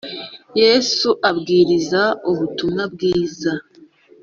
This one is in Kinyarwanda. Yesu abwiriza ubutumwa bwiza.